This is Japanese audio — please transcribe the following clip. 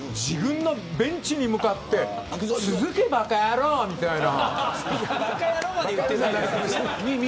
塁に立ったら自分のベンチに向かって続け、ばか野郎みたいな。